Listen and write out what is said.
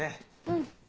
うん。